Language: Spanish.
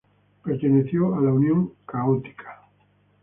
Perteneció a la Unión Católica.